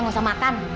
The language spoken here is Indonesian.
gak usah makan